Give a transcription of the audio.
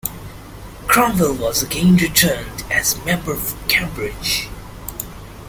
Cromwell was again returned as member for Cambridge.